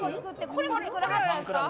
これも作らはったんですか。